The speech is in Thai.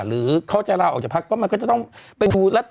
หรือเขาจะลาออกจากภักดิ์ก็มันก็จะต้องเป็นภูรัฐ